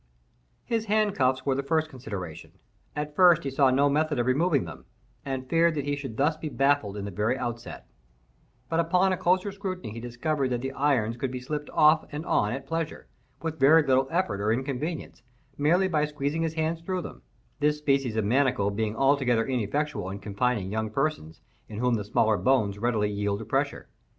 His handcuffs were the first consideration. At first he saw no method of removing them, and feared that he should thus be baffled in the very outset; but upon a closer scrutiny he discovered that the irons could be slipped off and on at pleasure, with very little effort or inconvenience, merely by squeezing his hands through them,—this species of manacle being altogether ineffectual in confining young persons, in whom the smaller bones readily yield to pressure.